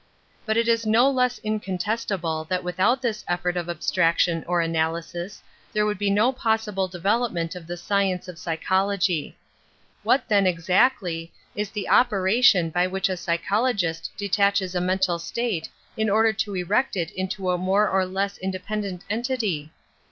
But it is no ^., less incontestable that without this effort / of abstraction or analysis there would be j no possible development of the science of ' psychology. What, then, exactly, is the operation by which a psychologis t detaches a mental state in order to erect it into a v.. more or less independent entity?